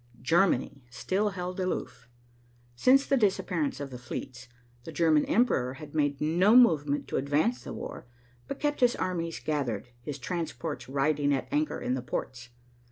Germany still held aloof. Since the disappearance of the fleets, the German emperor had made no movement to advance the war, but kept his armies gathered, his transports riding at anchor in the ports.